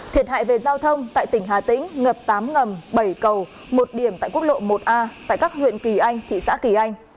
thiệt hại về giao thông tại tỉnh hà tĩnh ngập tám ngầm bảy cầu một điểm tại quốc lộ một a tại các huyện kỳ anh thị xã kỳ anh